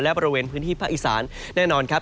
และบริเวณพื้นที่ภาคอีสานแน่นอนครับ